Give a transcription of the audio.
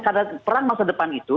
karena perang masa depan itu